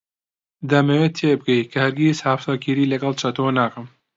دەمەوێت تێبگەیت کە هەرگیز هاوسەرگیری لەگەڵ چەتۆ ناکەم.